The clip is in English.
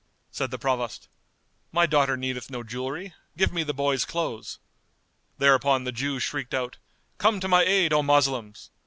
Said the Provost, "My daughter needeth no jewellery, give me the boy's clothes." Thereupon the Jew shrieked out, "Come to my aid, O Moslems!"